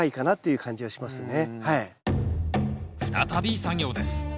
再び作業です。